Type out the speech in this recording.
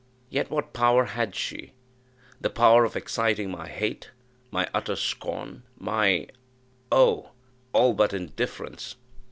Yet what power had she? the power of exciting my hate my utter scorn my oh, all but indifference!